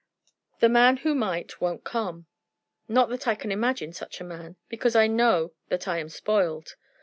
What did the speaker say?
The man who might, won't come. Not that I can imagine such a man, because I know that I am spoiled.